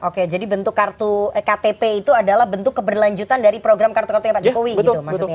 oke jadi bentuk kartu ktp itu adalah bentuk keberlanjutan dari program kartu kartunya pak jokowi gitu maksudnya ya